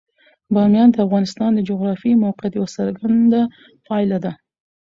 بامیان د افغانستان د جغرافیایي موقیعت یوه څرګنده پایله ده.